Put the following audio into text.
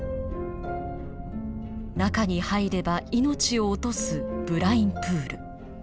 中に入れば命を落とすブラインプール。